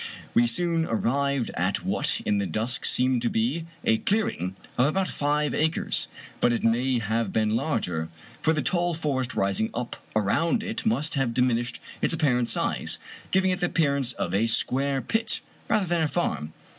We soon arrived at what in the dusk seemed to be a clearing of about five acres, but it may have been larger, for the tall forest rising up around it must have dimin ished its apparent size, giving it the appearance of a square pit rather than a farm.